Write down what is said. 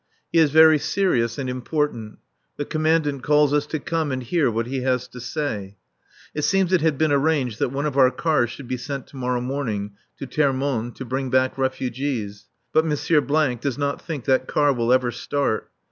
He is very serious and important. The Commandant calls us to come and hear what he has to say. It seems it had been arranged that one of our cars should be sent to morrow morning to Termonde to bring back refugees. But M. does not think that car will ever start.